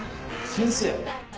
先生。